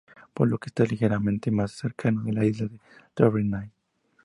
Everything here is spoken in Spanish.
Por lo que está ligeramente más cercano a la isla de Tenerife.